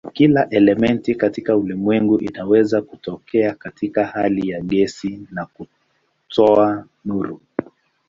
Kila elementi katika ulimwengu inaweza kutokea katika hali ya gesi na kutoa nuru.